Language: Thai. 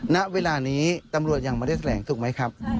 ณเวลานี้ตำรวจยังไม่ได้แถลงถูกไหมครับ